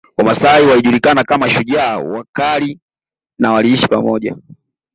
Wamasai walijulikana kama shujaa wakali na waliishi pamoja